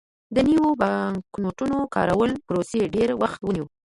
د نویو بانکنوټونو کارولو پروسې ډېر وخت ونیو.